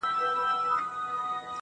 نړيږي جوړ يې کړئ دېوال په اسويلو نه سي,